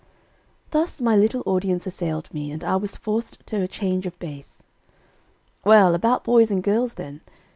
Thus my little audience assailed me, and I was forced to a change of base. "Well, about boys and girls, then.